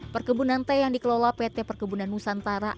perkebunan teh yang dikelola pt perkebunan nusantara